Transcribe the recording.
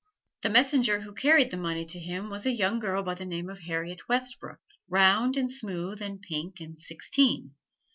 The messenger who carried the money to him was a young girl by the name of Harriet Westbrook, round and smooth and pink and sixteen.